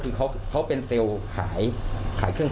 หรือว่าก็เป็นเป็นประกัติอื่น